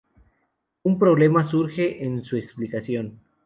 Un problema surge en su explicación.